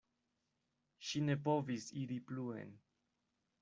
Ŝi ne povis iri pluen.